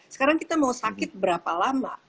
sekarang kita mau sakit berapa lama